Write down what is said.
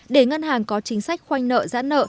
để ngân hàng có chính sách khoanh nợ giãn nợ